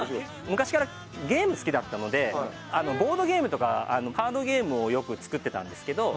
昔からゲーム好きだったのでボードゲームとかカードゲームをよく作ってたんですけど。